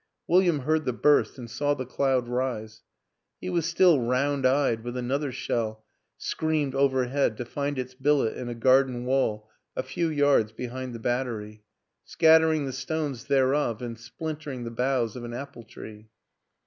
William heard the burst and saw the cloud rise; he was still round eyed when another shell screamed overhead to find its billet in a garden wall a few yards behind the battery, scattering the stones thereof and splintering the boughs of an apple tree.